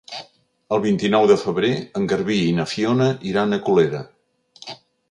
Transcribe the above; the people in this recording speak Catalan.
El vint-i-nou de febrer en Garbí i na Fiona iran a Colera.